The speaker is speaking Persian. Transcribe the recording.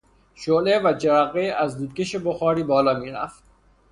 شعله و جرقه از دودکش بخاری بالا میرفت.